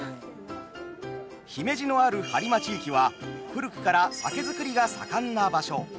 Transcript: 姫路のある播磨地域は古くから酒造りが盛んな場所。